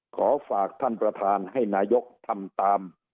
ขอฝากท่านประธานให้นายกทำตาม